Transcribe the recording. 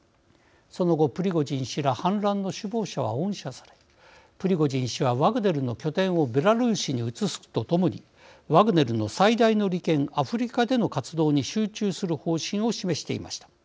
その後プリゴジン氏ら反乱の首謀者は恩赦されプリゴジン氏はワグネルの拠点をベラルーシに移すとともにワグネルの最大の利権アフリカでの活動に集中する方針を示していました。